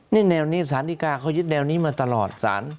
นี่แนวนี้สารดีกาเขายึดแนวนี้มาตลอดสาร